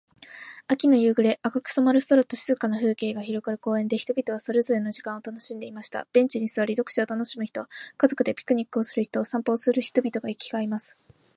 秋の夕暮れ、赤く染まる空と静かな風景が広がる公園で、人々はそれぞれの時間を楽しんでいました。ベンチに座り、読書を楽しむ人、家族でピクニックをする人、散歩する人々が行き交います。木々の葉は色とりどりに変わり、足元には枯葉が舞い、季節の移ろいを感じさせてくれます。